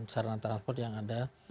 sarana transport yang ada